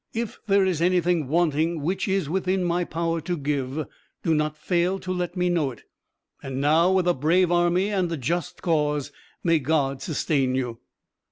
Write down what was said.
If there is anything wanting which is within my power to give, do not fail to let me know it. And now, with a brave army and a just cause, may God sustain you.